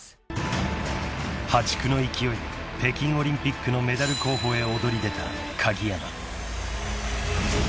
［破竹の勢いで北京オリンピックのメダル候補へ躍り出た鍵山］